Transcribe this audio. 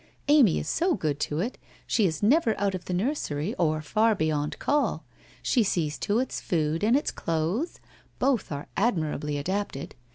Amy is so good to it, she is never out of the nursery or far beyond call. She sees to its food and its clothes, both are admirably adapted.